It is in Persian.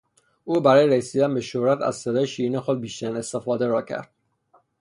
او برای رسیدن به شهرت از صدای شیرین خود بیشترین استفاده را کرد.